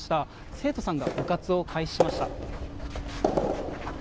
生徒さんが部活を開始しました。